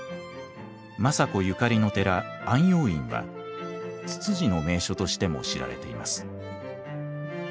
政子ゆかりの寺安養院はツツジの名所としても知られています。